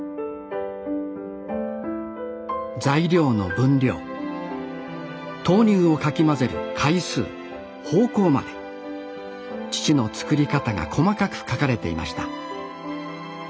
材料の分量豆乳をかき混ぜる回数方向まで父の作り方が細かく書かれていました